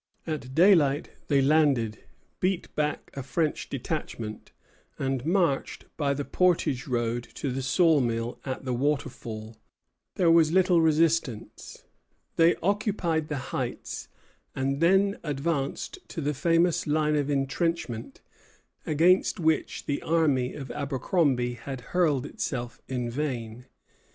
At daylight they landed, beat back a French detachment, and marched by the portage road to the saw mill at the waterfall. There was little resistance. They occupied the heights, and then advanced to the famous line of intrenchment against which the army of Abercromby had hurled itself in vain.